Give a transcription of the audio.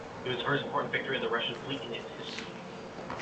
It was the first important victory of the Russian fleet in its history.